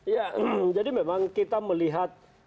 ya jadi memang kita melihat